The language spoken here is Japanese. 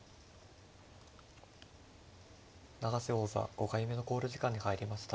永瀬王座５回目の考慮時間に入りました。